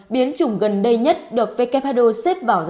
biến chủng gần đây nhất được vecapado xếp vào